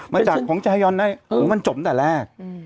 มาจากของชายอนมันจบตั้งแต่แรก